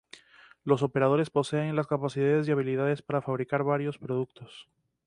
Los operadores poseen las capacidades y habilidades para fabricar varios productos.